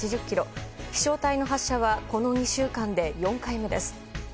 飛翔体の発射はこの２週間で４回目です。